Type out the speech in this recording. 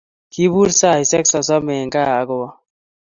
kipur saishe sasamen Kaa akowo